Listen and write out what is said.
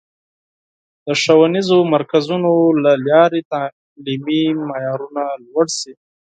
د ښوونیزو مرکزونو له لارې تعلیمي معیارونه لوړ شي.